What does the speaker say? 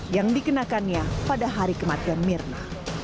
yang dikenakannya pada hari kematian mirna